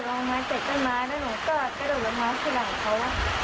ถ้าหนูกระโดดลงมาเสร็จเป็นม้าแล้วหนูก็กระโดดกับม้าสุดหลังเขา